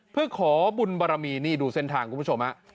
เพื่อขอบุญบารมีนี่ดูเส้นทางคุณผู้ชมฮะ